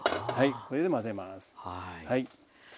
これで混ぜます。